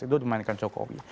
itu dimainkan jokowi